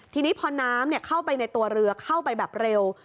ทีนี้พอน้ำเข้าไปในตัวเรือเข้าไปแบบเร็ว